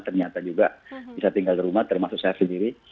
ternyata juga bisa tinggal di rumah termasuk saya sendiri